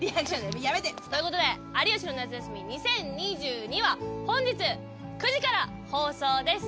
やめて！ということで『有吉の夏休み２０２２』は本日９時から放送です。